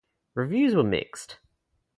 Reviews were mixed.